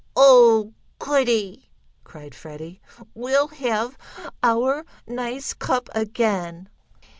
"Oh goodie!" cried Freddie. "We'll have our nice cup again!"